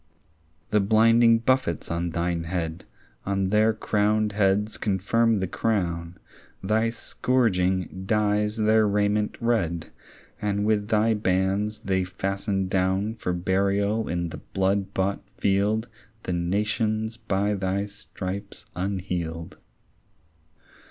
The blinding buffets on thine head On their crowned heads confirm the crown; Thy scourging dyes their raiment red, And with thy bands they fasten down For burial in the blood bought field The nations by thy stripes unhealed.